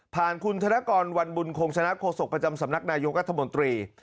ผ่านคุณธนกรวันบุญโครงสนับโคศกประจำสำนักนายกัธมนตรี